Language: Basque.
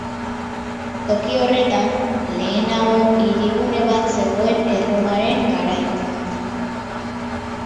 Toki horretan, lehenago hirigune bat zegoen Erromaren garaitik.